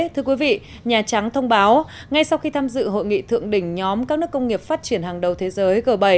thưa quý vị nhà trắng thông báo ngay sau khi tham dự hội nghị thượng đỉnh nhóm các nước công nghiệp phát triển hàng đầu thế giới g bảy